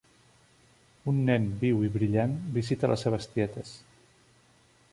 Un nen viu i brillant visita les seves tietes.